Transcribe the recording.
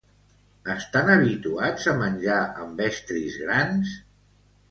Estan habituats a menjar amb estris grans?